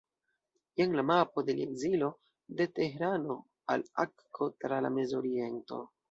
Jen la mapo de Lia ekzilo de Tehrano al Akko tra la Mez-Oriento.